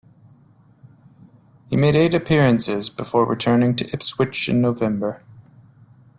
He made eight appearances before returning to Ipswich in November.